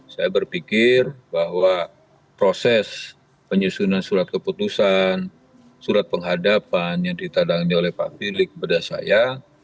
saya berpikir bahwa proses penyusunan surat keputusan surat penghadapan yang ditadangi oleh pak fili kepada saya